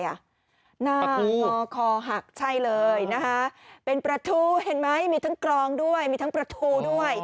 หน้างอคอหักใช่เลยนะคะเป็นประทูเห็นไหมมีทั้งกรองด้วยมีทั้งประทูด้วย